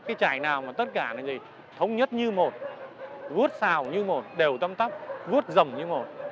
cái trải nào mà tất cả nó gì thống nhất như một vuốt xào như một đều tăm tắp vuốt rầm như một